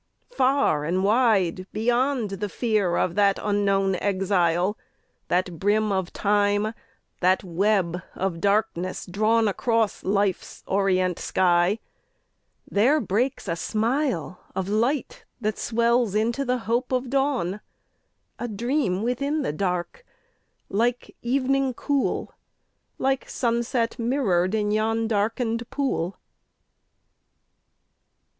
Far and wide, Beyond the fear of that unknown exile, That brim of Time, that web of darkness drawn Across Life's orient sky, there breaks a smile Of light that swells into the hope of dawn : A dream within the dark, like evening cool, Like sunset mirror'd in yon darken'd pool.